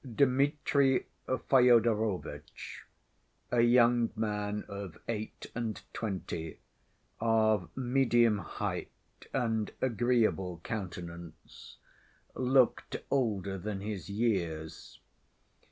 Dmitri Fyodorovitch, a young man of eight and twenty, of medium height and agreeable countenance, looked older than his years.